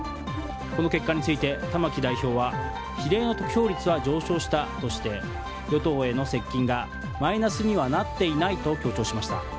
この結果について玉木代表は比例の得票率は上昇したとして与党への接近がマイナスにはなっていないと強調しました。